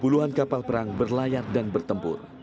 puluhan kapal perang berlayar dan bertempur